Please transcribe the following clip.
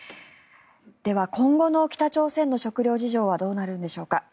では、今後の北朝鮮の食糧事情はどうなるんでしょうか。